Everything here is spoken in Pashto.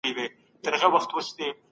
د غله لاس بايد پريکړل سي.